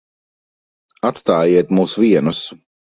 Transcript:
Atstājiet mūs vienus.